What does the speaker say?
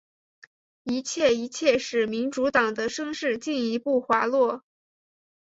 一切一切使民主党的声势进一步滑落。